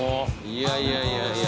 いやいやいやいや。